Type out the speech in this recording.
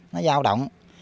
nó giao động